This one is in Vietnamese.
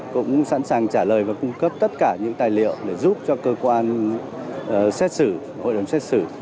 cũng sẵn sàng trả lời và cung cấp tất cả những tài liệu để giúp cho cơ quan xét xử hội đồng xét xử